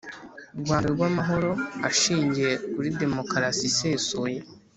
rwanda rw'amahoro ashingiye kuri demokarasi isesuye.